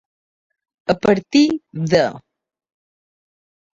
A partir de: